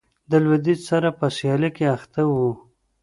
د لوېدیځ سره په سیالۍ کې اخته و.